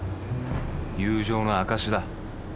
友情の証だ。